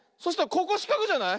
ここしかくじゃない？